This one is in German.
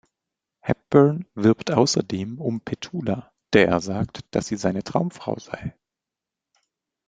Hepburn wirbt außerdem um Petula, der er sagt, dass sie seine Traumfrau sei.